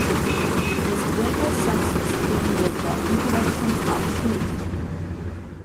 His greatest success came with the introduction of sheep.